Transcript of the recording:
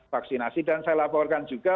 vaksinasi dan saya laporkan juga